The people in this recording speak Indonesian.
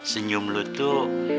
senyum lo tuh